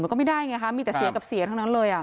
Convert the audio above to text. ก็ไม่ได้ไงคะมีแต่เสียกับเสียทั้งนั้นเลย